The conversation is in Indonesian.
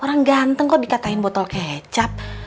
orang ganteng kok dikatakan botol kecap